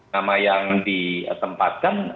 nama yang ditempatkan